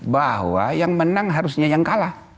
bahwa yang menang harusnya yang kalah